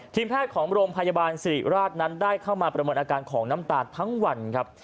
แพทย์ของโรงพยาบาลสิริราชนั้นได้เข้ามาประเมินอาการของน้ำตาลทั้งวันครับ